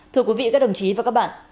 thưa quý vị các đồng chí và các bạn